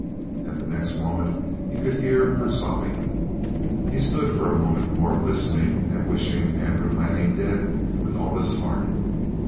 And the next moment he could hear her sobbing. He stood for a moment more, listening, and wishing Andrew Lanning dead with all his heart.